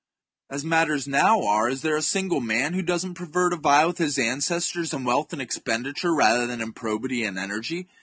As matters now arc, is there a single man who does not prefer to vie with his ancestors in wealth and expenditure rather than in probity and energy